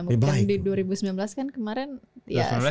mungkin di dua ribu sembilan belas kan kemarin ya sempat ada